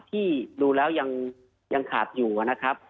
ที่ดูแล้วยังขาดอยู่นะครับ